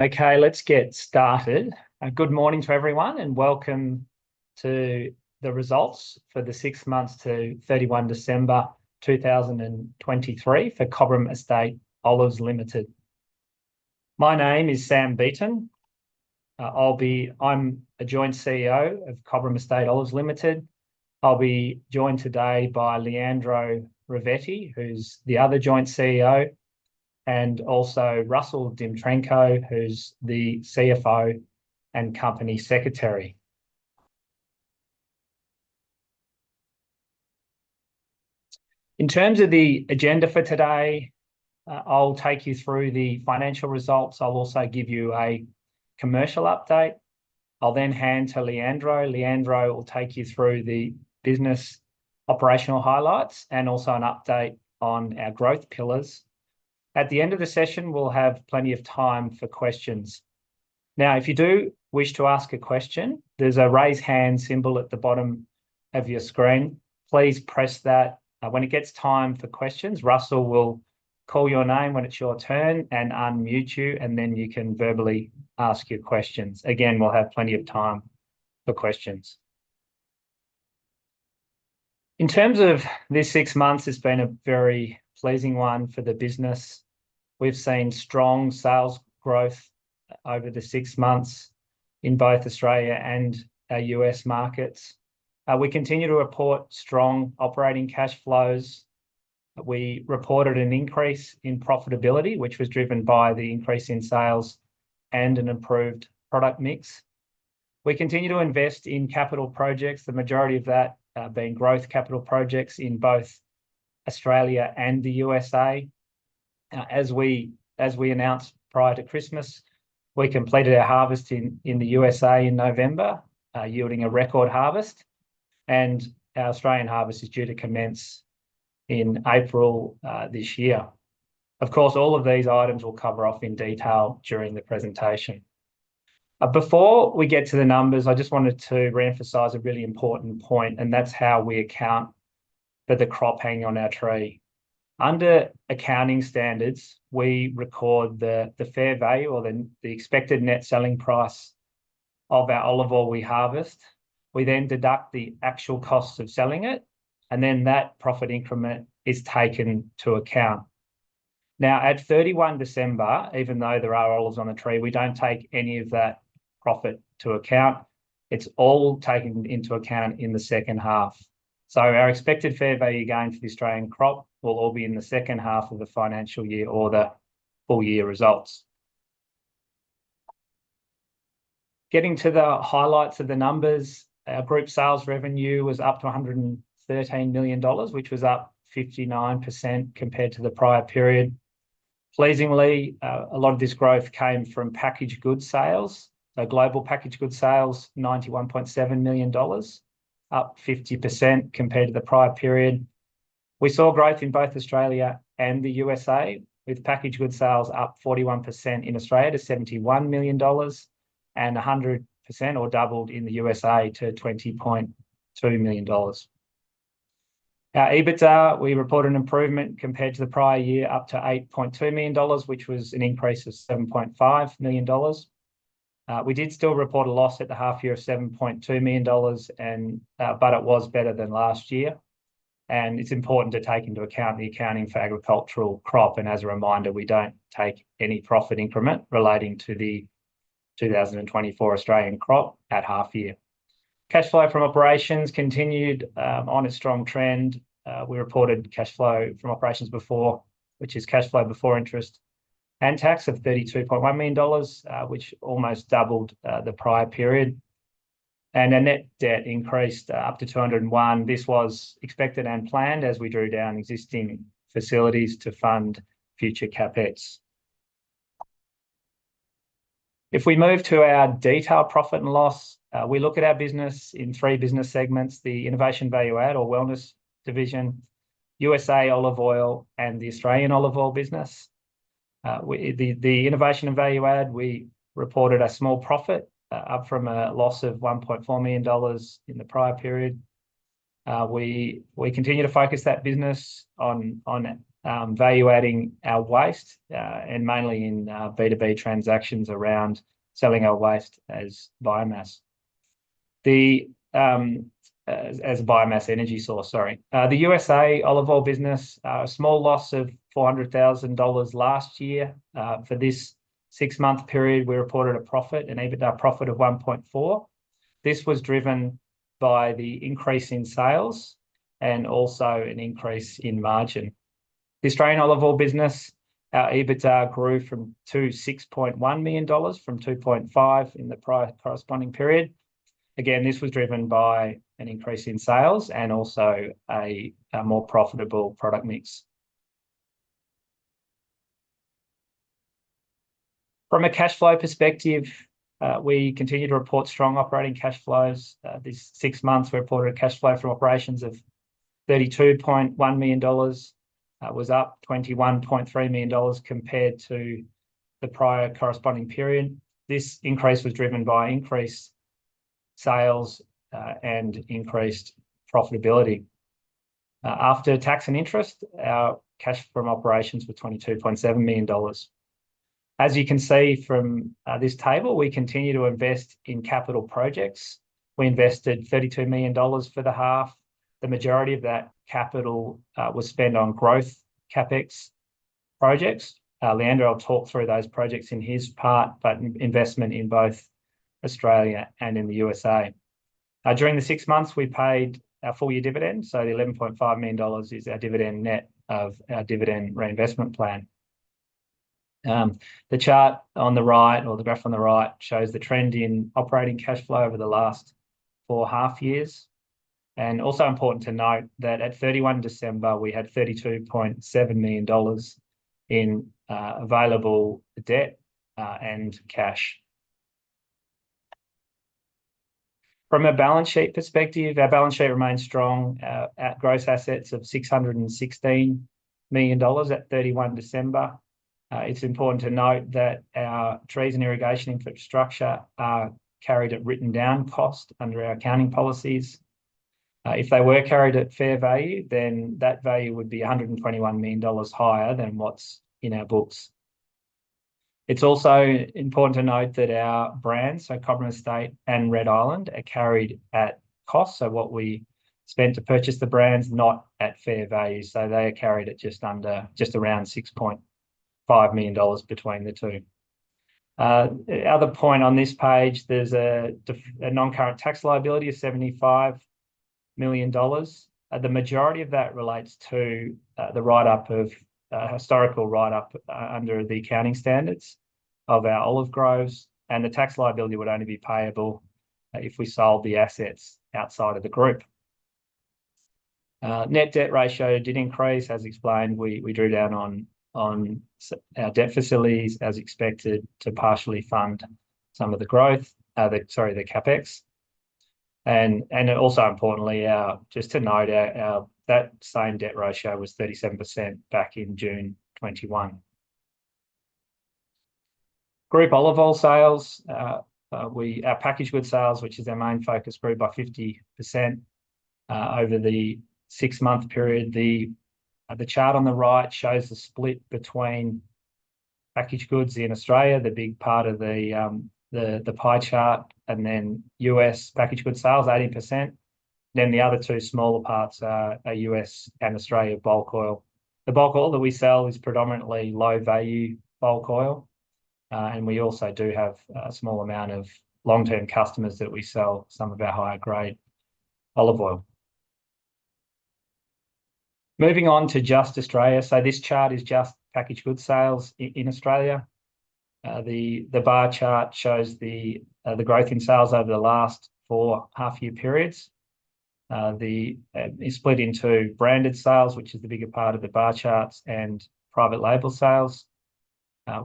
Okay, let's get started. Good morning to everyone, and welcome to the results for the six months to 31 December 2023 for Cobram Estate Olives Limited. My name is Sam Beaton. I'm a Joint CEO of Cobram Estate Olives Limited. I'll be joined today by Leandro Ravetti, who's the other Joint CEO, and also Russell Dmytrenko, who's the CFO and Company Secretary. In terms of the agenda for today, I'll take you through the financial results. I'll also give you a commercial update. I'll then hand to Leandro. Leandro will take you through the business operational highlights and also an update on our growth pillars. At the end of the session, we'll have plenty of time for questions. Now, if you do wish to ask a question, there's a raise hand symbol at the bottom of your screen. Please press that. When it gets time for questions, Russell will call your name when it's your turn and unmute you, and then you can verbally ask your questions. Again, we'll have plenty of time for questions. In terms of this six months, it's been a very pleasing one for the business. We've seen strong sales growth over the six months in both Australia and our U.S. markets. We continue to report strong operating cash flows. We reported an increase in profitability, which was driven by the increase in sales and an improved product mix. We continue to invest in capital projects, the majority of that being growth capital projects in both Australia and the U.S.A. As we announced prior to Christmas, we completed our harvest in the U.S.A. in November, yielding a record harvest. Our Australian harvest is due to commence in April this year. Of course, all of these items we'll cover off in detail during the presentation. Before we get to the numbers, I just wanted to reemphasize a really important point, and that's how we account for the crop hanging on our tree. Under accounting standards, we record the fair value, or the expected net selling price of our olive oil we harvest. We then deduct the actual cost of selling it, and then that profit increment is taken to account. Now, at 31 December, even though there are olives on the tree, we don't take any of that profit to account. It's all taken into account in the second half. So our expected fair value gain for the Australian crop will all be in the second half of the financial year or the full year results. Getting to the highlights of the numbers, our group sales revenue was up to 113 million dollars, which was up 59% compared to the prior period. Pleasingly, a lot of this growth came from packaged goods sales. Global packaged goods sales, 91.7 million dollars, up 50% compared to the prior period. We saw growth in both Australia and the U.S.A., with packaged goods sales up 41% in Australia to 71 million dollars and 100%, or doubled, in the U.S.A. to 20.2 million dollars. Our EBITDA, we report an improvement compared to the prior year, up to 8.2 million dollars, which was an increase of 7.5 million dollars. We did still report a loss at the half year of 7.2 million dollars, but it was better than last year. It's important to take into account the accounting for agricultural crop. As a reminder, we don't take any profit increment relating to the 2024 Australian crop at half year. Cash flow from operations continued on a strong trend. We reported cash flow from operations before, which is cash flow before interest, and tax of 32.1 million dollars, which almost doubled the prior period. Our net debt increased up to 201 million. This was expected and planned as we drew down existing facilities to fund future CapEx. If we move to our detailed profit and loss, we look at our business in three business segments: the Innovation Value Add, or Wellness Division, U.S.A. olive oil, and the Australian olive oil business. The Innovation and Value Add, we reported a small profit, up from a loss of 1.4 million dollars in the prior period. We continue to focus that business on valuating our waste, and mainly in B2B transactions around selling our waste as biomass. As a biomass energy source, sorry. The U.S. olive oil business, small loss of $400,000 last year. For this six-month period, we reported a profit, an EBITDA profit of $1.4 million. This was driven by the increase in sales and also an increase in margin. The Australian olive oil business, our EBITDA grew to 26.1 million dollars from 2.5 million in the prior corresponding period. Again, this was driven by an increase in sales and also a more profitable product mix. From a cash flow perspective, we continue to report strong operating cash flows. This six months, we reported a cash flow from operations of 32.1 million dollars. It was up 21.3 million dollars compared to the prior corresponding period. This increase was driven by increased sales and increased profitability. After tax and interest, our cash from operations was 22.7 million dollars. As you can see from this table, we continue to invest in capital projects. We invested 32 million dollars for the half. The majority of that capital was spent on growth CapEx projects. Leandro will talk through those projects in his part, but investment in both Australia and in the U.S.A. During the six months, we paid our full year dividend. So the 11.5 million dollars is our dividend net of our dividend reinvestment plan. The chart on the right, or the graph on the right, shows the trend in operating cash flow over the last four half years. And also important to note that at 31 December, we had 32.7 million dollars in available debt and cash. From a balance sheet perspective, our balance sheet remained strong at gross assets of 616 million dollars at 31 December. It's important to note that our trees and irrigation infrastructure are carried at written down cost under our accounting policies. If they were carried at fair value, then that value would be 121 million dollars higher than what's in our books. It's also important to note that our brands, so Cobram Estate and Red Island, are carried at cost. So what we spent to purchase the brands, not at fair value. So they are carried at just around 6.5 million dollars between the two. Other point on this page, there's a non-current tax liability of 75 million dollars. The majority of that relates to the historical write-up under the accounting standards of our olive groves. The tax liability would only be payable if we sold the assets outside of the group. Net debt ratio did increase, as explained. We drew down on our debt facilities as expected to partially fund some of the growth, sorry, the CapEx. Also importantly, just to note, that same debt ratio was 37% back in June 2021. Group olive oil sales, our packaged goods sales, which is our main focus group, are 50% over the six-month period. The chart on the right shows the split between packaged goods in Australia, the big part of the pie chart, and then U.S. packaged goods sales, 18%. Then the other two smaller parts are U.S. and Australia bulk oil. The bulk oil that we sell is predominantly low-value bulk oil. We also do have a small amount of long-term customers that we sell some of our higher-grade olive oil. Moving on to just Australia. This chart is just packaged goods sales in Australia. The bar chart shows the growth in sales over the last four half-year periods. It's split into branded sales, which is the bigger part of the bar charts, and private label sales.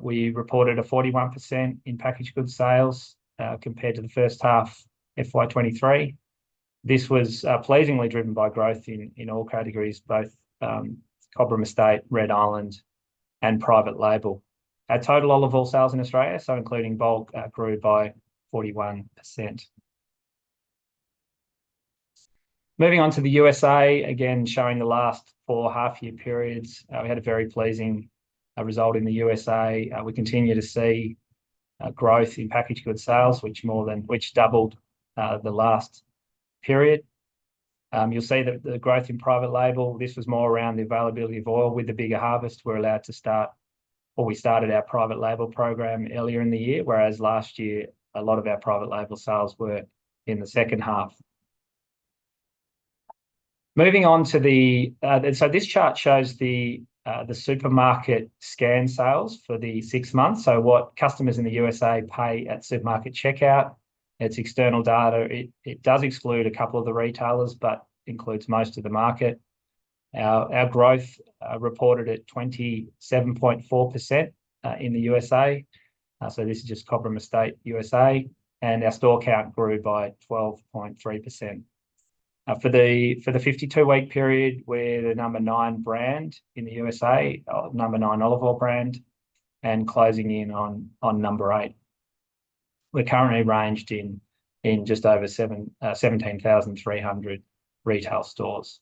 We reported a 41% in packaged goods sales compared to the first half, FY 2023. This was pleasingly driven by growth in all categories, both Cobram Estate, Red Island, and private label. Our total olive oil sales in Australia, so including bulk, grew by 41%. Moving on to the U.S.A., again showing the last four half-year periods. We had a very pleasing result in the U.S.A. We continue to see growth in packaged goods sales, which doubled the last period. You'll see that the growth in private label, this was more around the availability of oil. With the bigger harvest, we're allowed to start, or we started our private label program earlier in the year. Whereas last year, a lot of our private label sales were in the second half. Moving on to the, so this chart shows the supermarket scan sales for the six months. What customers in the U.S.A. pay at supermarket checkout, it's external data. It does exclude a couple of the retailers, but includes most of the market. Our growth reported at 27.4% in the U.S.A. This is just Cobram Estate U.S.A. Our store count grew by 12.3%. For the 52-week period, we're the number nine brand in the U.S.A., number nine olive oil brand, and closing in on number eight. We're currently ranged in just over 17,300 retail stores.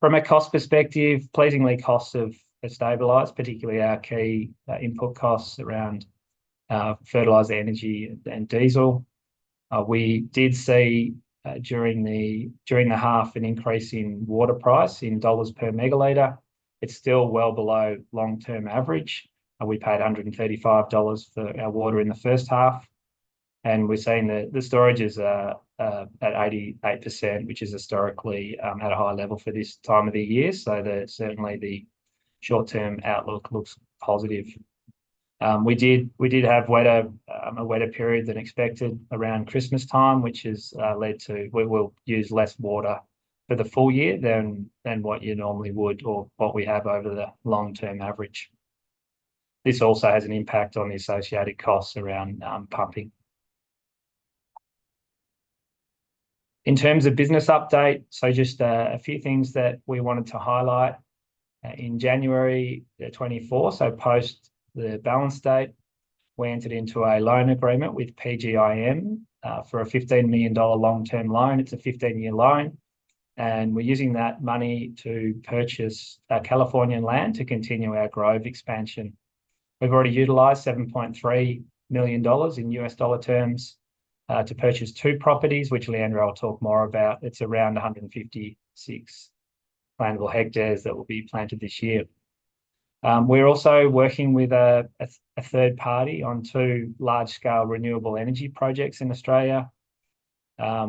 From a cost perspective, pleasingly, costs have stabilized, particularly our key input costs around fertilizer, energy, and diesel. We did see during the half an increase in water price in dollars per megaliter. It's still well below long-term average. We paid 135 dollars for our water in the first half. We're seeing that the storages are at 88%, which is historically at a high level for this time of the year. Certainly, the short-term outlook looks positive. We did have a wetter period than expected around Christmastime, which has led to we'll use less water for the full year than what you normally would or what we have over the long-term average. This also has an impact on the associated costs around pumping. In terms of business update, so just a few things that we wanted to highlight. In January 2024, so post the balance date, we entered into a loan agreement with PGIM for a $15 million long-term loan. It's a 15-year loan. We're using that money to purchase Californian land to continue our grove expansion. We've already utilized $7.3 million in U.S. dollar terms to purchase two properties, which Leandro will talk more about. It's around 156 plantable hectares that will be planted this year. We're also working with a third party on two large-scale renewable energy projects in Australia. I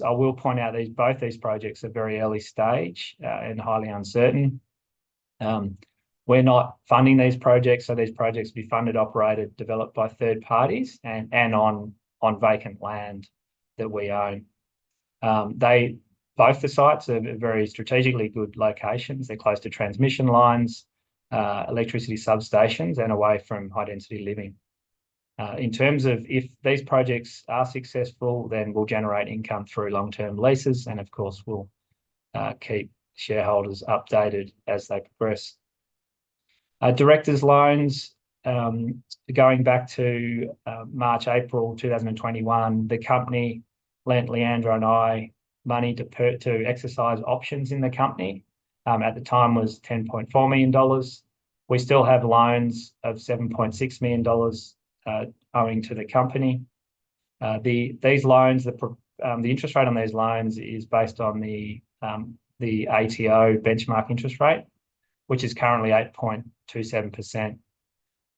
will point out both these projects are very early stage and highly uncertain. We're not funding these projects. So these projects will be funded, operated, developed by third parties and on vacant land that we own. Both the sites are very strategically good locations. They're close to transmission lines, electricity substations, and away from high-density living. In terms of if these projects are successful, then we'll generate income through long-term leases. And of course, we'll keep shareholders updated as they progress. Directors' loans, going back to March, April 2021, the company, Leandro and I, loaned to exercise options in the company. At the time, it was 10.4 million dollars. We still have loans of 7.6 million dollars owing to the company. The interest rate on these loans is based on the ATO benchmark interest rate, which is currently 8.27%.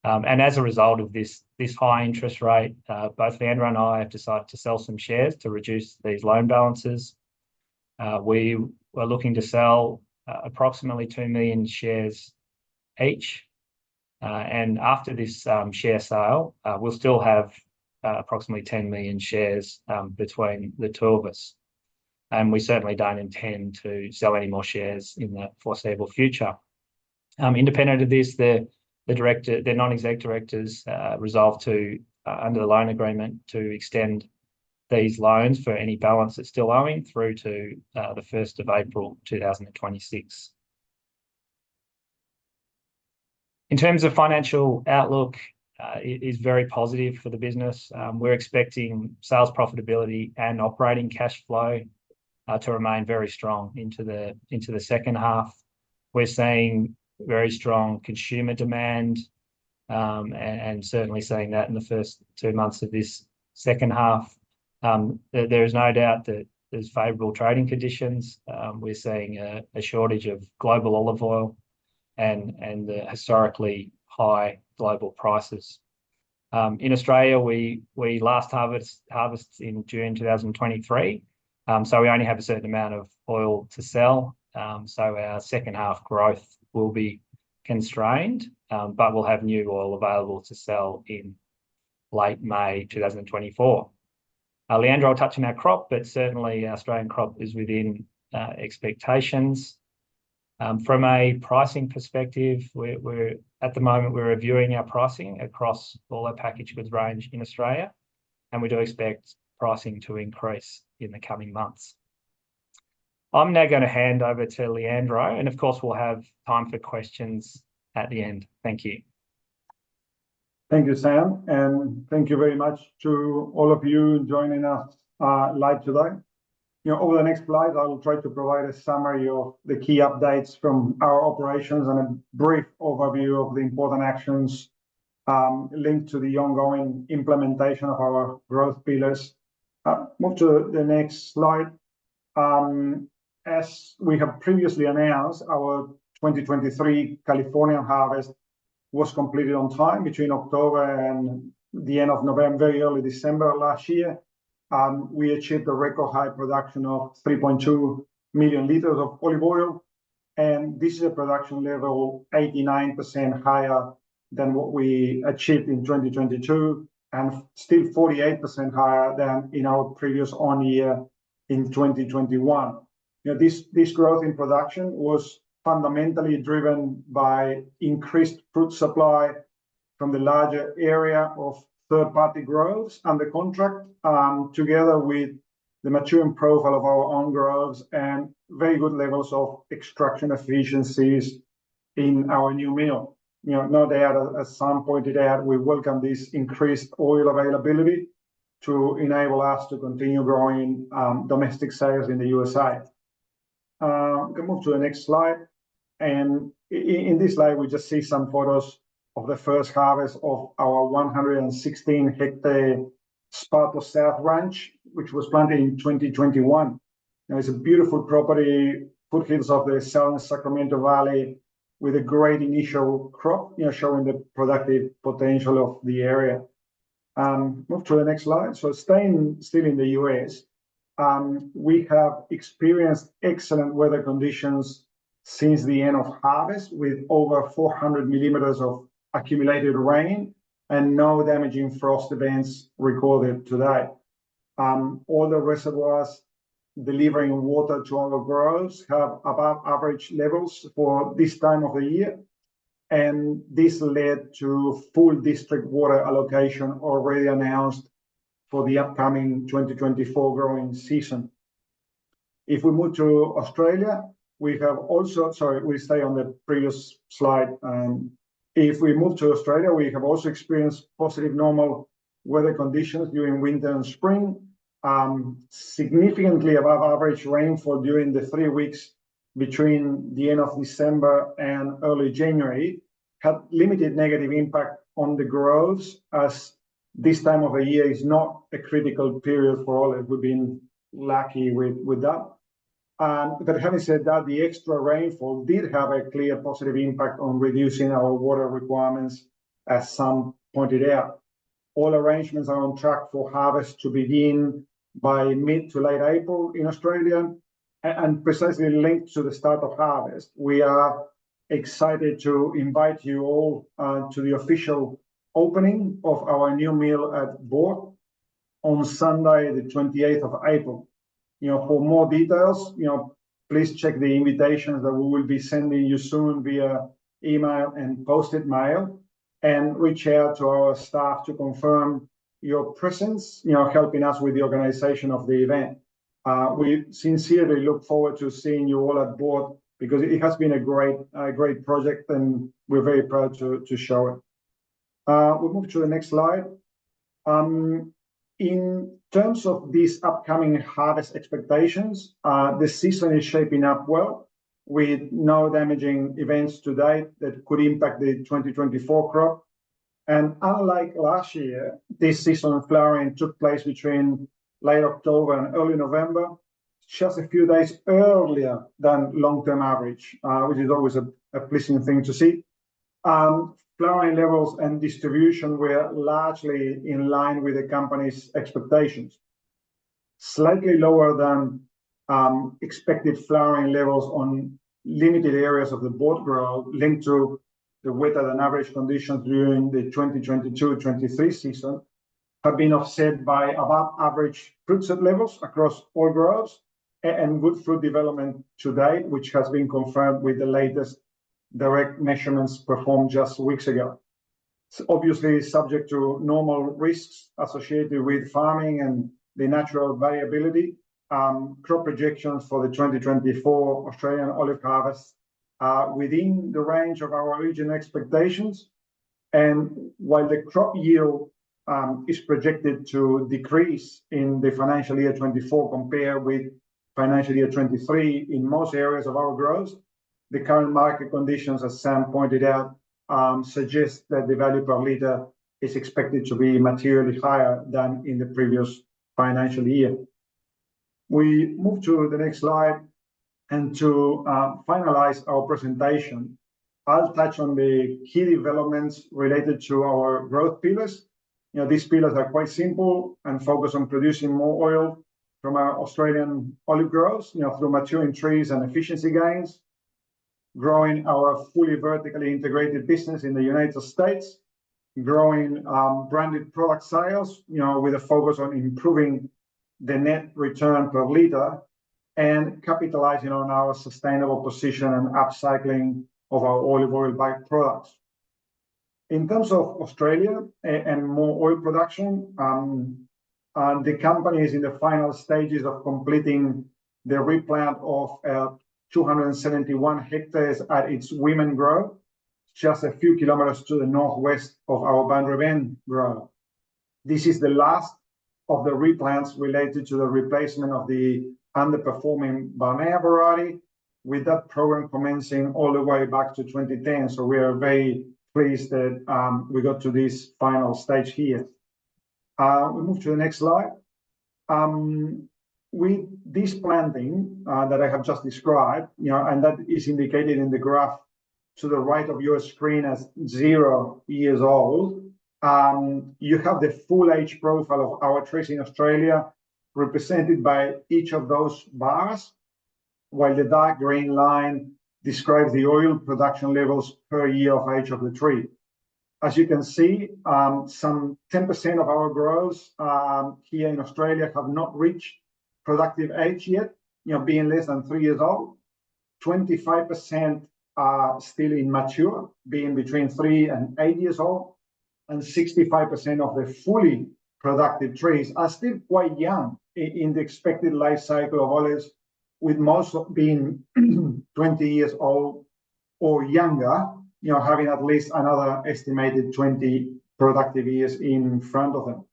As a result of this high interest rate, both Leandro and I have decided to sell some shares to reduce these loan balances. We are looking to sell approximately 2 million shares each. After this share sale, we'll still have approximately 10 million shares between the two of us. We certainly don't intend to sell any more shares in the foreseeable future. Independent of this, the non-exec directors resolved under the loan agreement to extend these loans for any balance that's still owing through to the 1st of April 2026. In terms of financial outlook, it is very positive for the business. We're expecting sales profitability and operating cash flow to remain very strong into the second half. We're seeing very strong consumer demand and certainly seeing that in the first two months of this second half. There is no doubt that there's favorable trading conditions. We're seeing a shortage of global olive oil and the historically high global prices. In Australia, we last harvested in June 2023. So we only have a certain amount of oil to sell. Our second half growth will be constrained. We'll have new oil available to sell in late May 2024. Leandro will touch on our crop, but certainly, Australian crop is within expectations. From a pricing perspective, at the moment, we're reviewing our pricing across all our packaged goods range in Australia. We do expect pricing to increase in the coming months. I'm now going to hand over to Leandro. And of course, we'll have time for questions at the end. Thank you. Thank you, Sam. And thank you very much to all of you joining us live today. Over the next slide, I'll try to provide a summary of the key updates from our operations and a brief overview of the important actions linked to the ongoing implementation of our growth pillars. Move to the next slide. As we have previously announced, our 2023 California harvest was completed on time between October and the end of November, very early December last year. We achieved a record high production of 3.2 million liters of olive oil. And this is a production level 89% higher than what we achieved in 2022 and still 48% higher than in our previous on year in 2021. This growth in production was fundamentally driven by increased fruit supply from the larger area of third-party groves under contract, together with the maturing profile of our own groves and very good levels of extraction efficiencies in our new mill. Now, at some point today, we welcomed this increased oil availability to enable us to continue growing domestic sales in the U.S.A. We can move to the next slide. In this slide, we just see some photos of the first harvest of our 116-hectare Esparto South Ranch, which was planted in 2021. It's a beautiful property, foothills of the Southern Sacramento Valley, with a great initial crop showing the productive potential of the area. Move to the next slide. So staying still in the U.S., we have experienced excellent weather conditions since the end of harvest with over 400 millimeters of accumulated rain and no damaging frost events recorded today. All the reservoirs delivering water to our groves have above-average levels for this time of the year. And this led to full district water allocation already announced for the upcoming 2024 growing season. If we move to Australia, we have also, sorry, we'll stay on the previous slide. If we move to Australia, we have also experienced positive normal weather conditions during winter and spring. Significantly above-average rainfall during the three weeks between the end of December and early January had limited negative impact on the groves as this time of the year is not a critical period for oil. We've been lucky with that. But having said that, the extra rainfall did have a clear positive impact on reducing our water requirements, as Sam pointed out. All arrangements are on track for harvest to begin by mid to late April in Australia. Precisely linked to the start of harvest, we are excited to invite you all to the official opening of our new mill at Boort on Sunday, the 28th of April. For more details, please check the invitations that we will be sending you soon via email and posted mail. Reach out to our staff to confirm your presence helping us with the organization of the event. We sincerely look forward to seeing you all at Boort because it has been a great project. We're very proud to show it. We'll move to the next slide. In terms of these upcoming harvest expectations, the season is shaping up well with no damaging events to date that could impact the 2024 crop. Unlike last year, this season of flowering took place between late October and early November, just a few days earlier than long-term average, which is always a pleasing thing to see. Flowering levels and distribution were largely in line with the company's expectations. Slightly lower than expected flowering levels on limited areas of the Boort grove linked to the wetter than average conditions during the 2022-2023 season have been offset by above-average fruit set levels across all groves and good fruit development to date, which has been confirmed with the latest direct measurements performed just weeks ago. It's obviously subject to normal risks associated with farming and the natural variability. Crop projections for the 2024 Australian olive harvest are within the range of our regional expectations. While the crop yield is projected to decrease in the financial year 2024 compared with financial year 2023 in most areas of our groves, the current market conditions, as Sam pointed out, suggest that the value per liter is expected to be materially higher than in the previous financial year. We move to the next slide. To finalize our presentation, I'll touch on the key developments related to our growth pillars. These pillars are quite simple and focus on producing more oil from our Australian olive groves through maturing trees and efficiency gains, growing our fully vertically integrated business in the United States, growing branded product sales with a focus on improving the net return per liter, and capitalizing on our sustainable position and upcycling of our olive oil byproducts. In terms of Australia and more oil production, the company is in the final stages of completing the replant of 271 hectares at its Wemen Grove, just a few kilometers to the northwest of our Boundary Bend grove. This is the last of the replants related to the replacement of the underperforming Barnea variety, with that program commencing all the way back to 2010. So we are very pleased that we got to this final stage here. We move to the next slide. This planting that I have just described, and that is indicated in the graph to the right of your screen as zero years old, you have the full age profile of our trees in Australia represented by each of those bars, while the dark green line describes the oil production levels per year of age of the tree. As you can see, some 10% of our groves here in Australia have not reached productive age yet, being less than three years old, 25% still immature, being between three and eight years old, and 65% of the fully productive trees are still quite young in the expected life cycle of olives, with most being 20 years old or younger, having at least another estimated 20 productive years in front of them.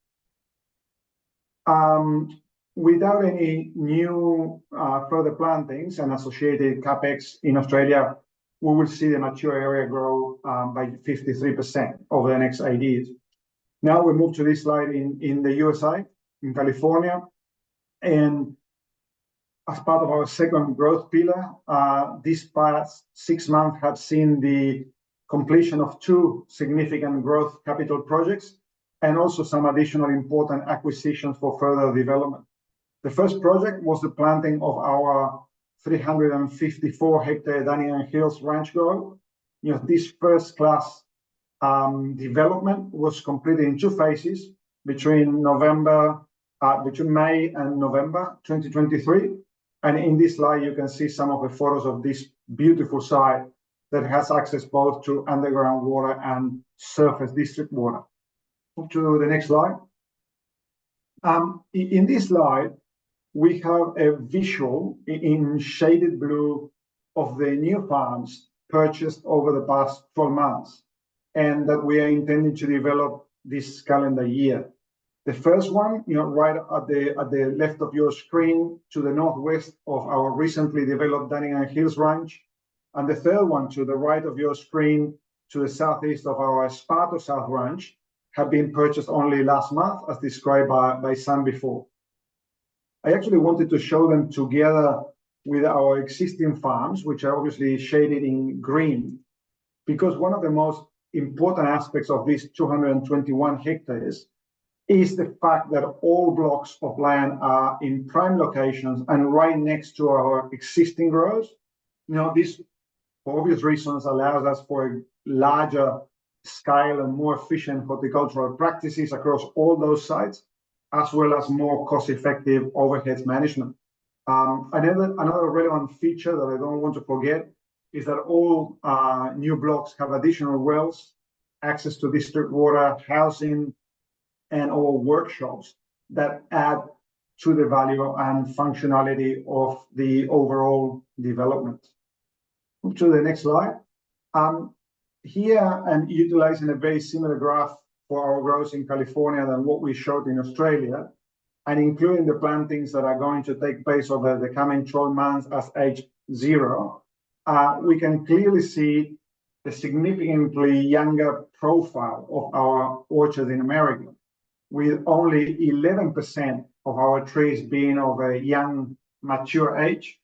Without any new further plantings and associated CapEx in Australia, we will see the mature area grow by 53% over the next eight years. Now, we move to this slide on the U.S. side, in California. As part of our second growth pillar, these past six months have seen the completion of two significant growth capital projects and also some additional important acquisitions for further development. The first project was the planting of our 354-hectare Dunnigan Hills Ranch grove. This first-class development was completed in two phases between May and November 2023. In this slide, you can see some of the photos of this beautiful site that has access both to underground water and surface district water. Move to the next slide. In this slide, we have a visual in shaded blue of the new farms purchased over the past 12 months and that we are intending to develop this calendar year. The first one, right at the left of your screen, to the northwest of our recently developed Dunnigan Hills Ranch. And the third one, to the right of your screen, to the southeast of our Esparto South Ranch, have been purchased only last month, as described by Sam before. I actually wanted to show them together with our existing farms, which are obviously shaded in green, because one of the most important aspects of these 221 hectares is the fact that all blocks of land are in prime locations and right next to our existing groves. This, for obvious reasons, allows us for a larger scale and more efficient horticultural practices across all those sites, as well as more cost-effective overhead management. Another relevant feature that I don't want to forget is that all new blocks have additional wells, access to district water, housing, and/or workshops that add to the value and functionality of the overall development. Move to the next slide. Here, I'm utilizing a very similar graph for our groves in California than what we showed in Australia. Including the plantings that are going to take place over the coming 12 months as age 0, we can clearly see the significantly younger profile of our orchards in America, with only 11% of our trees being of a young mature age,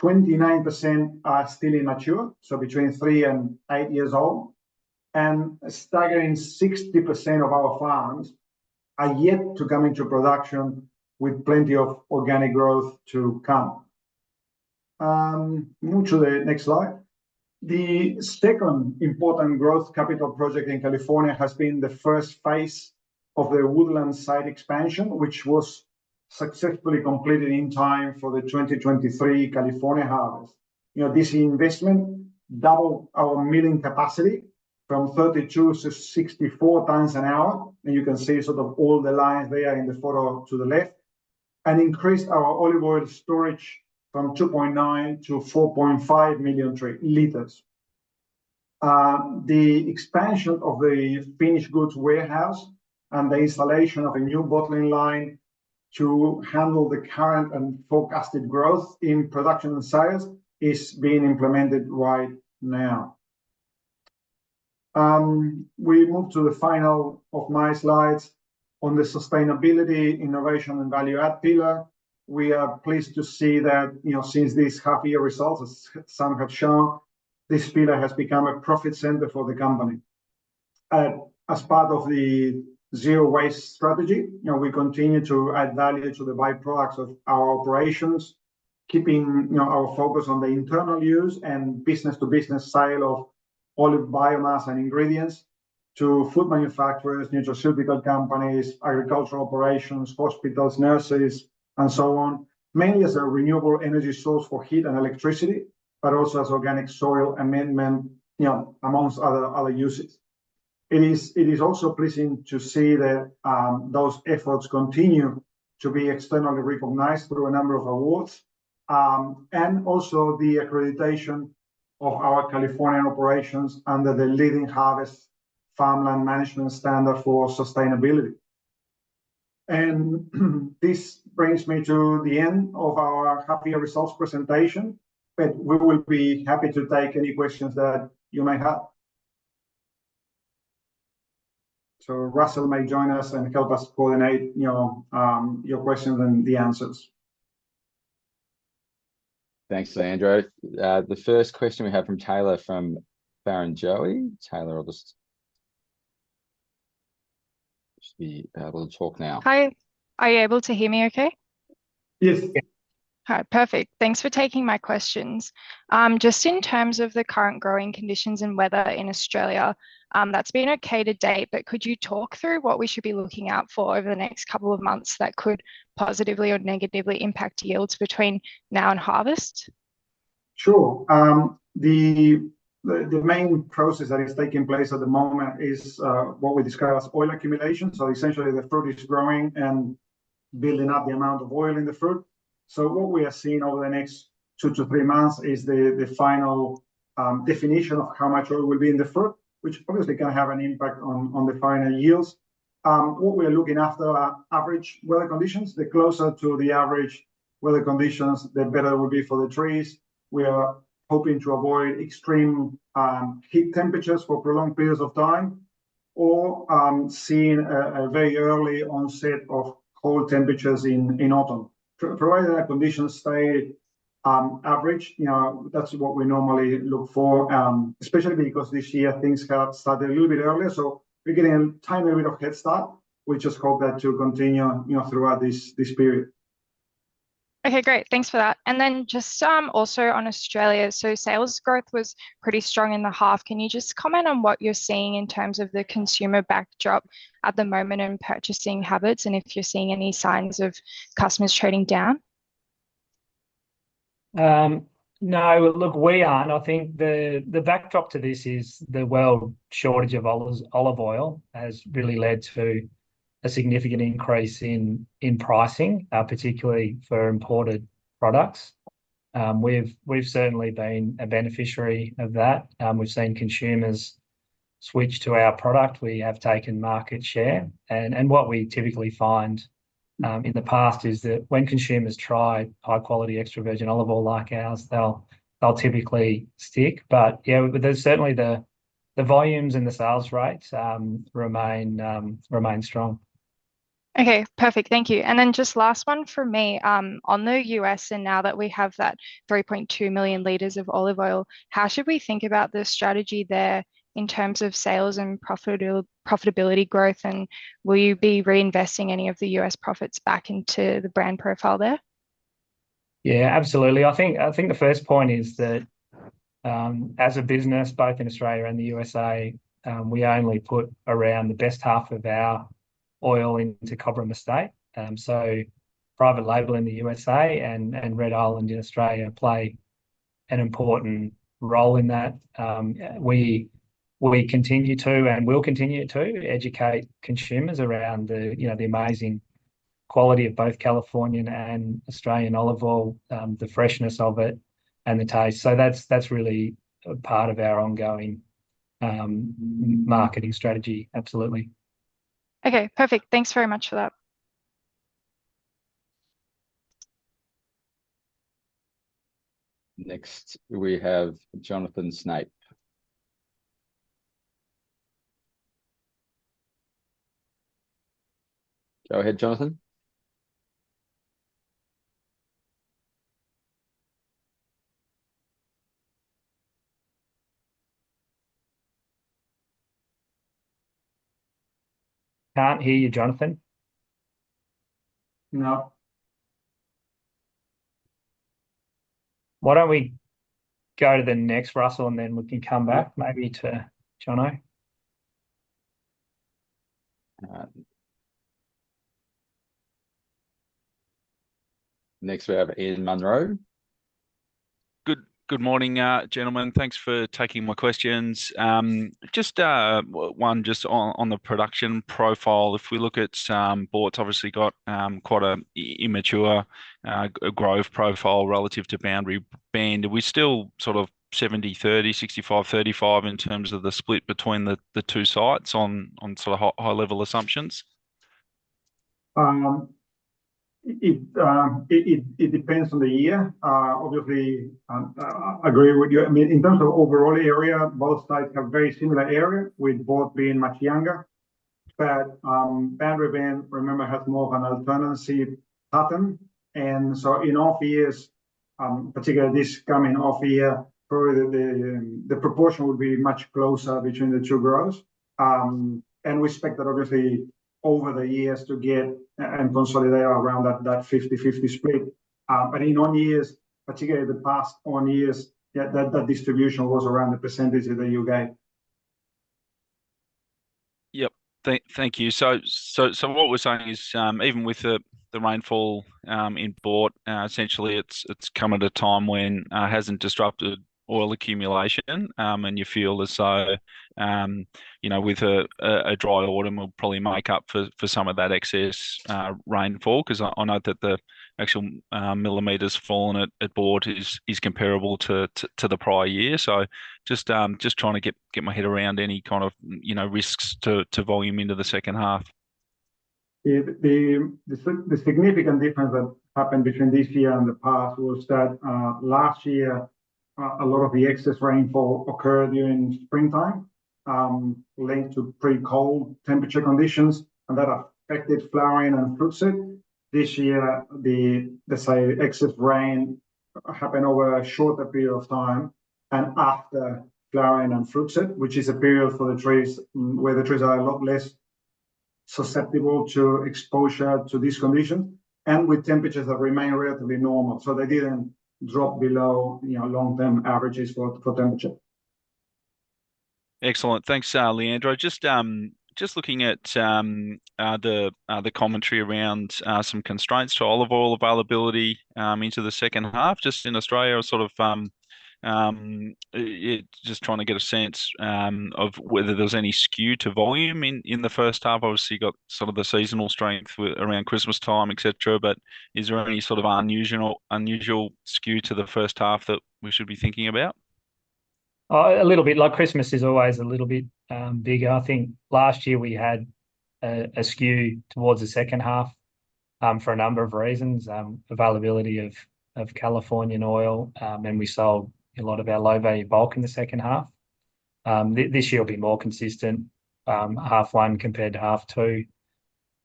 29% are still immature, so between three and eight years old, and staggering 60% of our farms are yet to come into production with plenty of organic growth to come. Move to the next slide. The second important growth capital project in California has been the first phase of the Woodlands site expansion, which was successfully completed in time for the 2023 California harvest. This investment doubled our milling capacity from 32-64 tons an hour. And you can see sort of all the lines there in the photo to the left, and increased our olive oil storage from 2.9-4.5 million liters. The expansion of the finished goods warehouse and the installation of a new bottling line to handle the current and forecasted growth in production and sales is being implemented right now. We move to the final of my slides on the sustainability, innovation, and value-add pillar. We are pleased to see that since these half-year results, as Sam had shown, this pillar has become a profit center for the company. As part of the zero-waste strategy, we continue to add value to the byproducts of our operations, keeping our focus on the internal use and business-to-business sale of olive biomass and ingredients to food manufacturers, nutraceutical companies, agricultural operations, hospitals, nurseries, and so on, mainly as a renewable energy source for heat and electricity, but also as organic soil amendment, among other uses. It is also pleasing to see that those efforts continue to be externally recognized through a number of awards and also the accreditation of our California operations under the Leading Harvest Farmland Management Standard for sustainability. This brings me to the end of our half-year results presentation. We will be happy to take any questions that you may have. Russell may join us and help us coordinate your questions and the answers. Thanks, Leandro. The first question we have from Taylor from Barrenjoey. Taylor, I'll just be able to talk now. Hi. Are you able to hear me okay? Yes. All right. Perfect. Thanks for taking my questions. Just in terms of the current growing conditions and weather in Australia, that's been okay to date. But could you talk through what we should be looking out for over the next couple of months that could positively or negatively impact yields between now and harvest? Sure. The main process that is taking place at the moment is what we describe as Oil Accumulation. So essentially, the fruit is growing and building up the amount of oil in the fruit. So what we are seeing over the next two-three months is the final definition of how much oil will be in the fruit, which obviously can have an impact on the final yields. What we are looking after are average weather conditions. The closer to the average weather conditions, the better it will be for the trees. We are hoping to avoid extreme heat temperatures for prolonged periods of time or seeing a very early onset of cold temperatures in autumn. Provided that conditions stay average, that's what we normally look for, especially because this year, things have started a little bit earlier. So we're getting a tiny bit of head start. We just hope that to continue throughout this period. Okay. Great. Thanks for that. And then just also on Australia, so sales growth was pretty strong in the half. Can you just comment on what you're seeing in terms of the consumer backdrop at the moment in purchasing habits and if you're seeing any signs of customers trading down? No. Look, we aren't. I think the backdrop to this is the global shortage of olive oil has really led to a significant increase in pricing, particularly for imported products. We've certainly been a beneficiary of that. We've seen consumers switch to our product. We have taken market share. And what we typically find in the past is that when consumers try high-quality extra virgin olive oil like ours, they'll typically stick. But yeah, there's certainly the volumes and the sales rates remain strong. Okay. Perfect. Thank you. And then just last one for me. On the U.S., and now that we have that 3.2 million liters of olive oil, how should we think about the strategy there in terms of sales and profitability growth? And will you be reinvesting any of the U.S. profits back into the brand profile there? Yeah, absolutely. I think the first point is that as a business, both in Australia and the U.S.A., we only put around the best half of our oil into Cobram Estate. So private label in the U.S.A. and Red Island in Australia play an important role in that. We continue to and will continue to educate consumers around the amazing quality of both Californian and Australian olive oil, the freshness of it, and the taste. So that's really part of our ongoing marketing strategy, absolutely. Okay. Perfect. Thanks very much for that. Next, we have Jonathan Snape. Go ahead, Jonathan. Can't hear you, Jonathan. No. Why don't we go to the next, Russell, and then we can come back maybe to Jono? Next, we have Ian Munro. Good morning, gentlemen. Thanks for taking my questions. One, just on the production profile, if we look at some boards, obviously got quite an immature grove profile relative to Boundary Bend. Are we still sort of 70/30, 65/35 in terms of the split between the two sites on sort of high-level assumptions? It depends on the year. Obviously, I agree with you. I mean, in terms of overall area, both sites have very similar area, with both being much younger. But Boundary Bend, remember, has more of an alternancy pattern. And so in off-years, particularly this coming off-year, probably the proportion would be much closer between the two groves. And we expect that, obviously, over the years to get and consolidate around that 50/50 split. But in on-years, particularly the past on-years, that distribution was around the percentage that you gave. Yep. Thank you. So what we're saying is, even with the rainfall in Boort, essentially, it's come at a time when it hasn't disrupted oil accumulation. And you feel as though with a dry autumn, it'll probably make up for some of that excess rainfall because I note that the actual millimeters fallen at Boort is comparable to the prior year. So just trying to get my head around any kind of risks to volume into the second half. Yeah. The significant difference that happened between this year and the past was that last year, a lot of the excess rainfall occurred during springtime, linked to pre-cold temperature conditions, and that affected flowering and fruit set. This year, the excess rain happened over a shorter period of time and after flowering and fruit set, which is a period where the trees are a lot less susceptible to exposure to these conditions and with temperatures that remain relatively normal. So they didn't drop below long-term averages for temperature. Excellent. Thanks, Leandro. Just looking at the commentary around some constraints to olive oil availability into the second half just in Australia, sort of just trying to get a sense of whether there's any skew to volume in the first half. Obviously, you got sort of the seasonal strength around Christmastime, etc. But is there any sort of unusual skew to the first half that we should be thinking about? A little bit. Christmas is always a little bit bigger. I think last year, we had a skew towards the second half for a number of reasons, availability of Californian oil, and we sold a lot of our low-value bulk in the second half. This year, it'll be more consistent, half one compared to half two.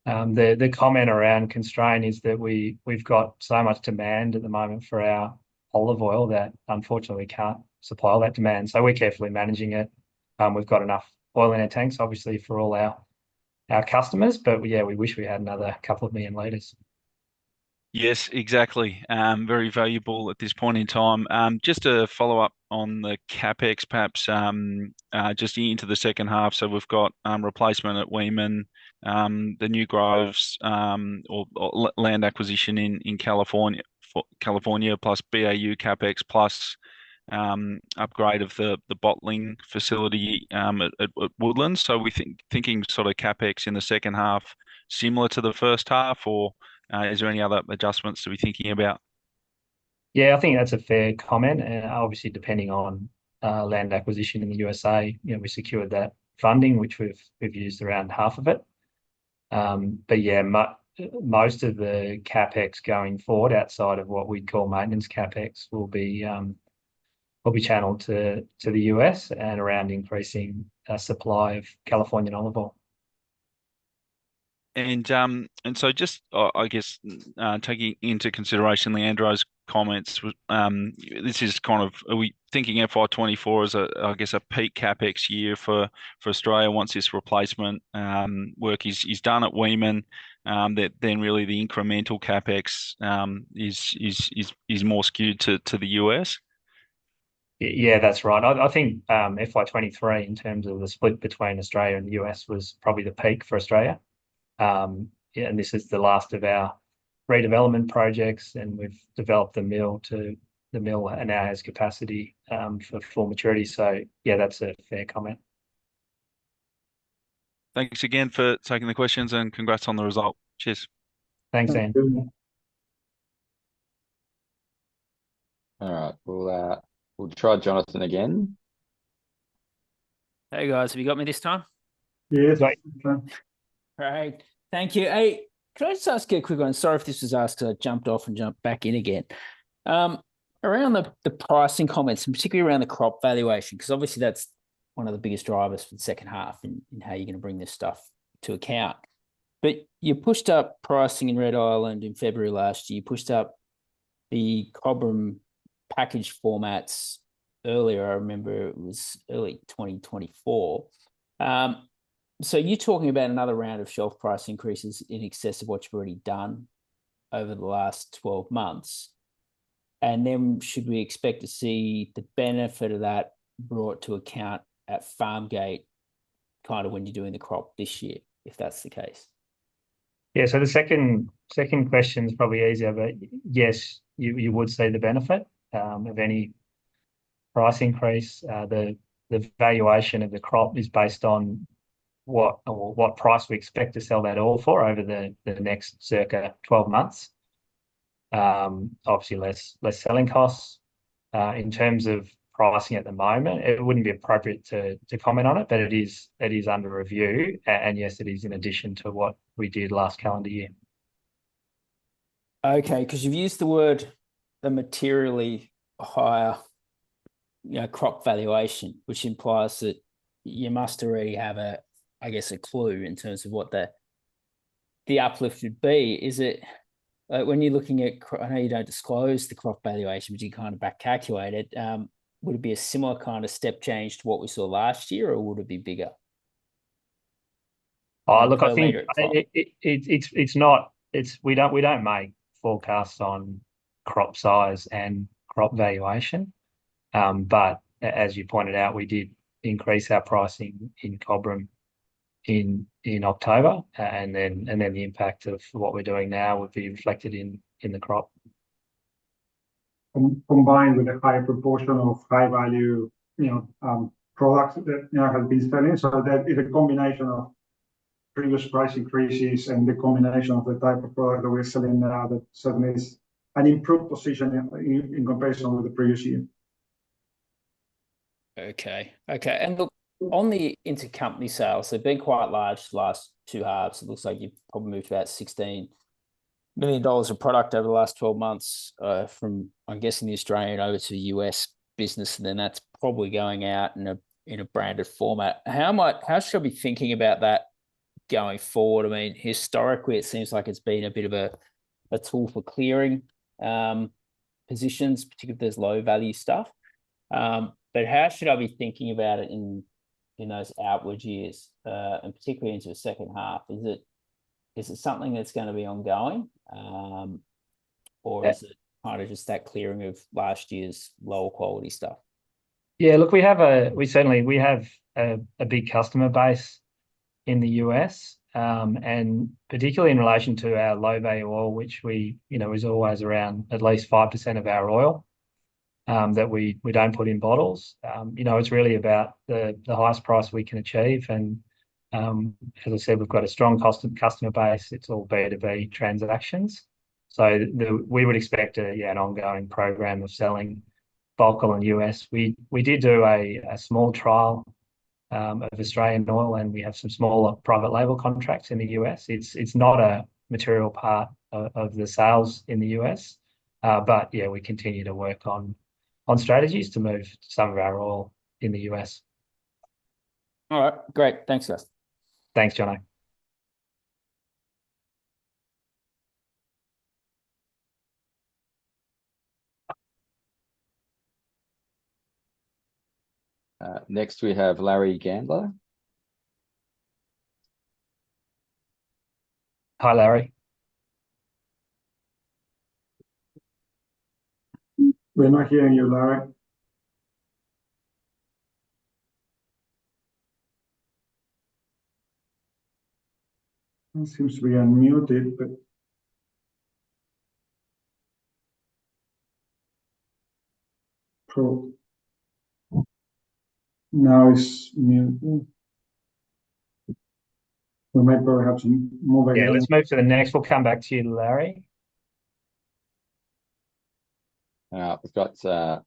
The comment around constraint is that we've got so much demand at the moment for our olive oil that, unfortunately, we can't supply all that demand. So we're carefully managing it. We've got enough oil in our tanks, obviously, for all our customers. But yeah, we wish we had another couple of million liters. Yes, exactly. Very valuable at this point in time. Just to follow up on the CapEx, perhaps just into the second half. So we've got replacement at Weeman, the new groves or land acquisition in California, plus BAU CapEx, plus upgrade of the bottling facility at Woodlands. So we're thinking sort of CapEx in the second half similar to the first half, or is there any other adjustments that we're thinking about? Yeah, I think that's a fair comment. And obviously, depending on land acquisition in the U.S.A., we secured that funding, which we've used around half of it. But yeah, most of the CapEx going forward outside of what we'd call maintenance CapEx will be channeled to the U.S and around increasing supply of Californian olive oil. Just, I guess, taking into consideration Leandro's comments, this is kind of are we thinking FY 2024 is, I guess, a peak CapEx year for Australia once this replacement work is done at Weeman, that then really the incremental CapEx is more skewed to the U.S.? Yeah, that's right. I think FY 2023, in terms of the split between Australia and the U.S., was probably the peak for Australia. And this is the last of our redevelopment projects. And we've developed the mill to the mill and now has capacity for full maturity. So yeah, that's a fair comment. Thanks again for taking the questions, and congrats on the result. Cheers. Thanks, Ian. All right. We'll try Jonathan again. Hey, guys. Have you got me this time? Yes. Great. All right. Thank you. Could I just ask you a quick one? Sorry if this was asked. I jumped off and jumped back in again. Around the pricing comments, and particularly around the crop valuation, because obviously, that's one of the biggest drivers for the second half in how you're going to bring this stuff to account. But you pushed up pricing in Red Island in February last year. You pushed up the Cobram package formats earlier. I remember it was early 2024. So you're talking about another round of shelf price increases in excess of what you've already done over the last 12 months. And then should we expect to see the benefit of that brought to account at Farmgate, kind of when you're doing the crop this year, if that's the case? Yeah. So the second question's probably easier. But yes, you would say the benefit of any price increase. The valuation of the crop is based on what price we expect to sell that oil for over the next circa 12 months. Obviously, less selling costs. In terms of pricing at the moment, it wouldn't be appropriate to comment on it, but it is under review. And yes, it is in addition to what we did last calendar year. Okay. Because you've used the word the materially higher crop valuation, which implies that you must already have, I guess, a clue in terms of what the uplift would be. When you're looking at, I know you don't disclose the crop valuation, but you kind of backcalculate it. Would it be a similar kind of step change to what we saw last year, or would it be bigger? Look, I think we don't make forecasts on crop size and crop valuation. But as you pointed out, we did increase our pricing in Cobram in October. And then the impact of what we're doing now would be reflected in the crop. Combined with a higher proportion of high-value products that has been selling. So it's a combination of previous price increases and the combination of the type of product that we're selling now that certainly is an improved position in comparison with the previous year. Okay. Okay. And look, on the intercompany sales, they've been quite large the last two halves. It looks like you've probably moved about 16 million dollars of product over the last 12 months from, I'm guessing, the Australian over to the U.S. business. And then that's probably going out in a branded format. How should I be thinking about that going forward? I mean, historically, it seems like it's been a bit of a tool for clearing positions, particularly if there's low-value stuff. But how should I be thinking about it in those outward years, and particularly into the second half? Is it something that's going to be ongoing, or is it kind of just that clearing of last year's lower-quality stuff? Yeah. Look, certainly, we have a big customer base in the U.S., and particularly in relation to our low-value oil, which is always around at least 5% of our oil that we don't put in bottles. It's really about the highest price we can achieve. As I said, we've got a strong customer base. It's all B2B transactions. We would expect an ongoing program of selling bulk oil in the U.S. We did do a small trial of Australian oil, and we have some smaller private label contracts in the U.S. It's not a material part of the sales in the U.S. Yeah, we continue to work on strategies to move some of our oil in the U.S. All right. Great. Thanks, guys. Thanks, Jon. Next, we have Larry Gandler. Hi, Larry. We're not hearing you, Larry. Seems to be unmuted, but now it's muted. We may probably have some more volume. Yeah. Let's move to the next. We'll come back to you, Larry. We've got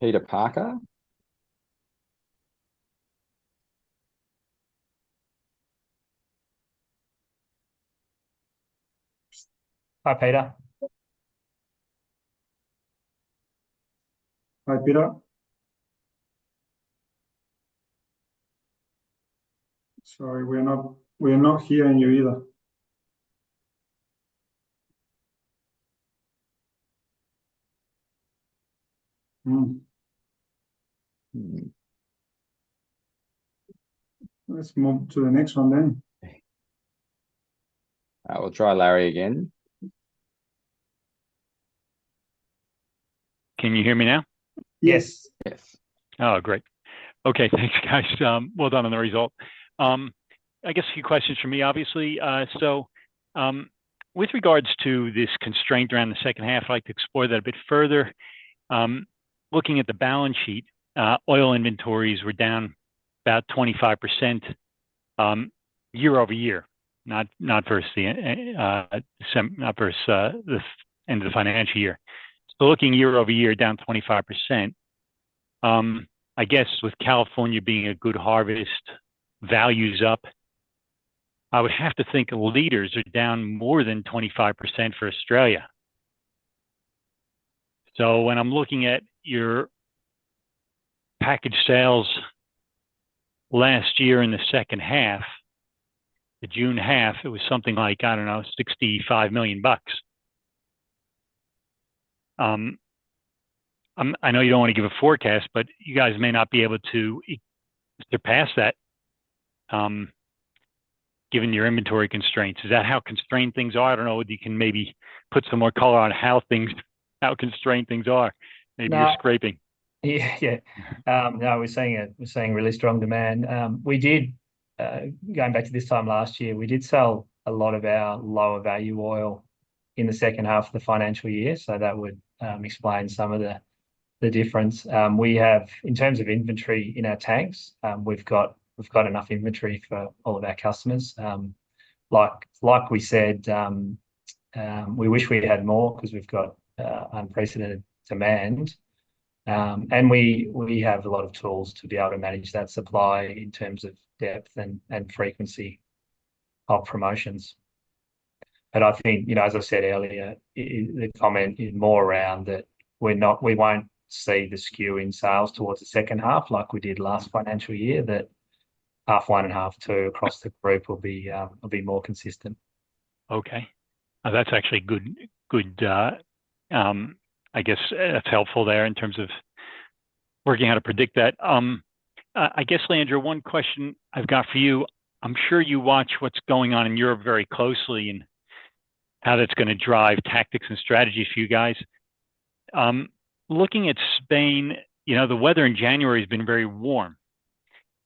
Peter Parker. Hi, Peter. Hi, Peter. Sorry, we're not hearing you either. Let's move to the next one then. We'll try Larry again. Can you hear me now? Yes. Yes. Oh, great. Okay. Thanks, guys. Well done on the result. I guess a few questions from me, obviously. So with regards to this constraint around the second half, I'd like to explore that a bit further. Looking at the balance sheet, oil inventories were down about 25% year-over-year, not versus the end of the financial year. So looking year-over-year, down 25%. I guess with California being a good harvest, values up. I would have to think liters are down more than 25% for Australia. So when I'm looking at your package sales last year in the second half, the June half, it was something like, I don't know, 65 million bucks. I know you don't want to give a forecast, but you guys may not be able to surpass that given your inventory constraints. Is that how constrained things are? I don't know if you can maybe put some more color on how constrained things are. Maybe you're scraping. Yeah. No, we're saying it. We're saying really strong demand. Going back to this time last year, we did sell a lot of our lower-value oil in the second half of the financial year. So that would explain some of the difference. In terms of inventory in our tanks, we've got enough inventory for all of our customers. Like we said, we wish we had more because we've got unprecedented demand. And we have a lot of tools to be able to manage that supply in terms of depth and frequency of promotions. But I think, as I said earlier, the comment is more around that we won't see the skew in sales towards the second half like we did last financial year, that half one and half two across the group will be more consistent. Okay. That's actually good. I guess that's helpful there in terms of working out how to predict that. I guess, Leandro, one question I've got for you. I'm sure you watch what's going on in Europe very closely and how that's going to drive tactics and strategies for you guys. Looking at Spain, the weather in January has been very warm.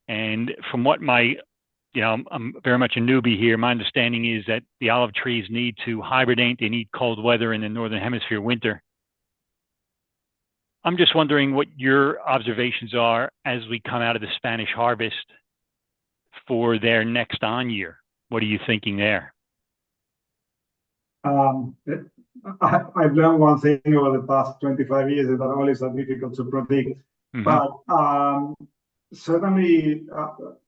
And I'm very much a newbie here. My understanding is that the olive trees need to hibernate. They need cold weather in the northern hemisphere winter. I'm just wondering what your observations are as we come out of the Spanish harvest for their next on-year. What are you thinking there? I've learned one thing over the past 25 years, and that oil is so difficult to predict. But certainly,